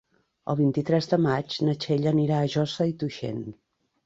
El vint-i-tres de maig na Txell anirà a Josa i Tuixén.